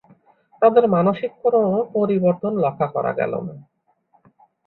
তাদের মানসিক কোন পরিবর্তন লক্ষ্য করা গেল না।